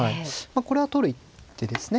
これは取る一手ですね。